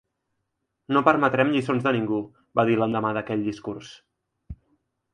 No permetrem lliçons de ningú, va dir l’endemà d’aquell discurs.